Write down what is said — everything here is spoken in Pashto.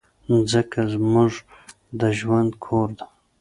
مځکه زموږ د ژوند کور ده.